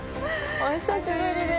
お久しぶりです。